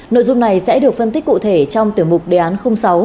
nội dung này sẽ được phân tích cụ thể trong tiểu mục đề án sáu